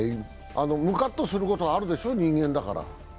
ムカッとすることだってあるでしょ、人間だから。